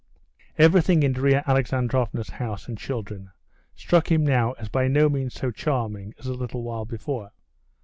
Everything in Darya Alexandrovna's house and children struck him now as by no means so charming as a little while before.